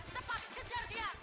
cepat kejar dia